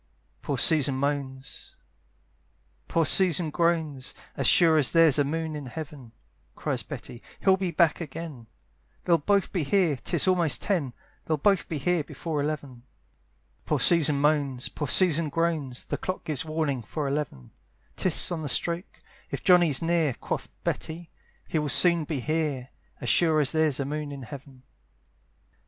Poor Susan moans, poor Susan groans, "As sure as there's a moon in heaven," Cries Betty, "he'll be back again; "They'll both be here, 'tis almost ten, "They'll both be here before eleven." Poor Susan moans, poor Susan groans, The clock gives warning for eleven; 'Tis on the stroke "If Johnny's near," Quoth Betty "he will soon be here, "As sure as there's a moon in heaven."